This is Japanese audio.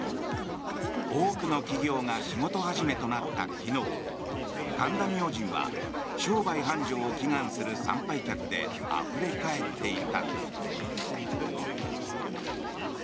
多くの企業が仕事始めとなった昨日神田明神は商売繁盛を祈願する参拝客であふれ返っていた。